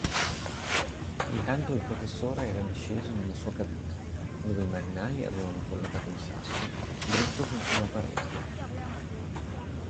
Intanto il professore era disceso nella sua cabina, dove i marinai avevano collocato il sasso, dritto contro una parete.